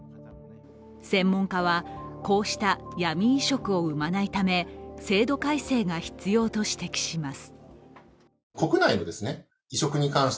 専門家は、こうした闇移植を生まないため制度改正が必要と指摘します。